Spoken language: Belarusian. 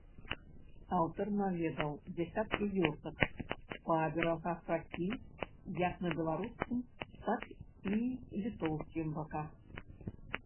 Аўтар наведаў дзясяткі вёсак па берагах ракі як на беларускім, так і літоўскім баках.